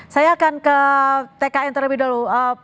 saya akan ke tkn terlebih dahulu